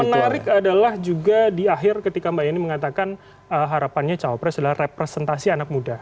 tapi yang menarik adalah juga di akhir ketika mbak ieni mengatakan harapannya cowok presiden adalah representasi anak muda